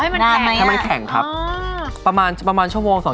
อ๋อให้มันแข็งนะอ๋อให้มันแข็งครับประมาณชั่วโมง๒ชั่วโมงอะครับ